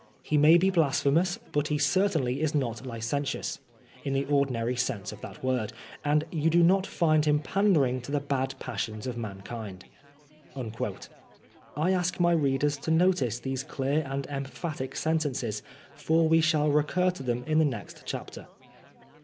He may be blasphemous, but he certainly is not licentious, in the ordinary sense of the word; and you do not find him pandering to the bad passions of mankind." I ask my readers to notice these clear and emphatic sentences, for we shall recur to them in the next chapter.